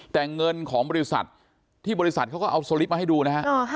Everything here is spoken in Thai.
แต่เงินของบริษัทที่บริษัทเขาก็เอาสลิปมาให้ดูนะฮะ